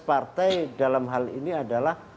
partai dalam hal ini adalah